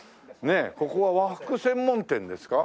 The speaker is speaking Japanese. ここは和服専門店ですか？